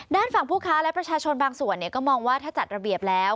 ด้านฝั่งผู้ค้าและประชาชนบางส่วนก็มองว่าถ้าจัดระเบียบแล้ว